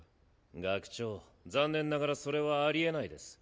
学長残念ながらそれはありえないです。